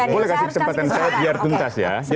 boleh kasih kesempatan saya biar tuntas ya